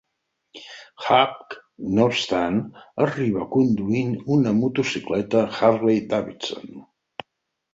Hawk, no obstant, arriba conduint una motocicleta Harley Davidson.